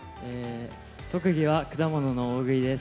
特技は果物の大食いです。